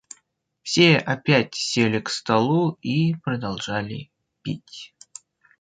Все опять сели к столу и продолжали пить.